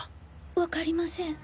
わかりません。